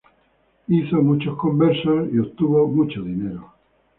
Hizo muchos conversos y obtuvo mucho dinero.